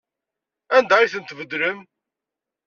Anda ay tent-tbeddlem?